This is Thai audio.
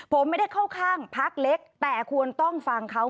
ผมไม่ได้เข้าข้างพักเล็กแต่ควรต้องฟังเขา